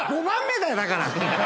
５番目だよだから。